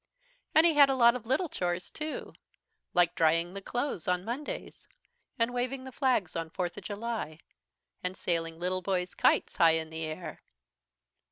"And he had a lot of little chores too, like drying the clothes on Mondays, and waving the flags on Fourth of July, and sailing little boy's kites high in the air.